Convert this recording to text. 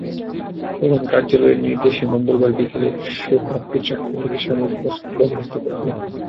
প্রধান কার্যালয়ের নির্দেশে মঙ্গলবার বিকেলে সোহরাবকে চাকরি থেকে সাময়িক বরখাস্ত করা হয়।